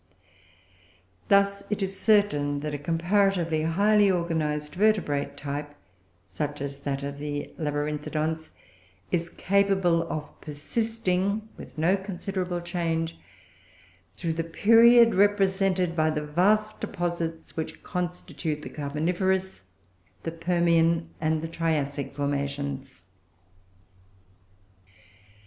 Thus it is certain that a comparatively highly organised vertebrate type, such as that of the Labyrinthodonts, is capable of persisting, with no considerable change, through the period represented by the vast deposits which constitute the Carboniferous, the Permian, and the Triassic formations.